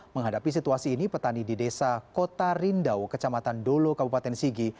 menghadapi situasi ini petani di desa kota rindau kecamatan dolo kabupaten sigi